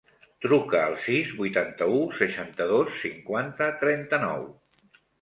Truca al sis, vuitanta-u, seixanta-dos, cinquanta, trenta-nou.